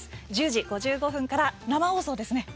１０時５５分から生放送ですね。